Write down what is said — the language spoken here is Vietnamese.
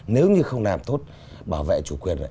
nếu như không làm tốt bảo vệ chủ quyền